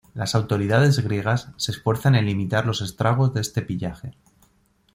Las autoridades griegas se esfuerzan en limitar los estragos de este pillaje.